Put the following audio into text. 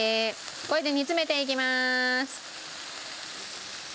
これで煮詰めていきます。